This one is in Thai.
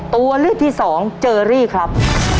ตัวเลือกที่สองเจอรี่ครับ